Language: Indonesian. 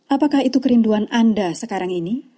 apakah itu kerinduan anda sekarang ini